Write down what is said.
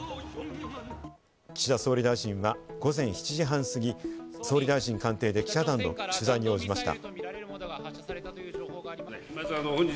岸田総理大臣は午前７時半過ぎ、総理大臣官邸で記者団の取材に応じました。